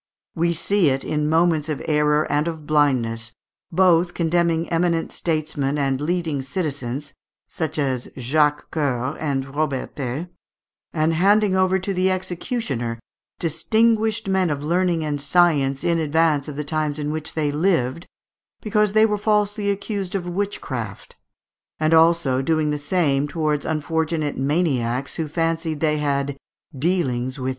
We see it, in moments of error and of blindness, both condemning eminent statesmen and leading citizens, such as Jacques Coeur and Robertet, and handing over to the executioner distinguished men of learning and science in advance of the times in which they lived, because they were falsely accused of witchcraft, and also doing the same towards unfortunate maniacs who fancied they had dealings with the devil.